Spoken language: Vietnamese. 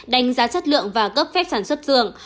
đánh giá chất lượng và cấp phép sản xuất dường